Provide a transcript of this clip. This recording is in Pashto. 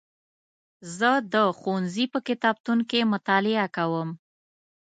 زه د ښوونځي په کتابتون کې مطالعه کوم.